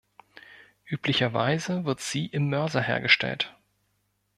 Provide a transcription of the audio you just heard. Üblicherweise wird sie im Mörser hergestellt.